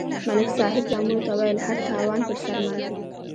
ملک صاحب زامنو ته ویل: هر تاوان پر سر منم.